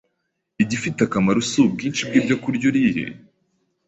Igifite akamaro si ubwinshi bw’ibyokurya uriye,